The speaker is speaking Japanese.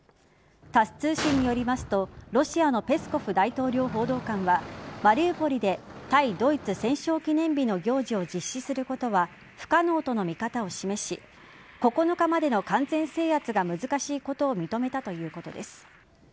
タス通信によりますとロシアのペスコフ大統領報道官はマリウポリで対ドイツ戦勝記念日の行事を実施することは不可能との見方を示し９日までの完全制圧が難しいことを認めたということです。